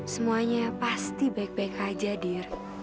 semuanya pasti baik baik aja dir